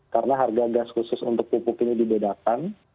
karena harga gas khusus untuk pupuk ini dibedakan